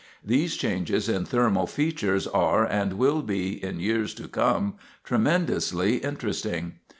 These changes in thermal features are, and will be, in years to come, tremendously interesting.